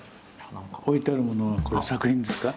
置いてあるものはこれ作品ですか？